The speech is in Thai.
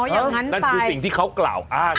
อย่างนั้นนั่นคือสิ่งที่เขากล่าวอ้าง